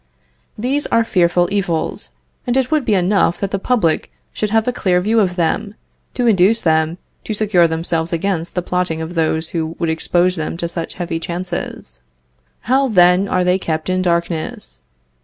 These are fearful evils, and it would be enough that the public should have a clear view of them, to induce them to secure themselves against the plotting of those who would expose them to such heavy chances. How, then, are they kept in darkness?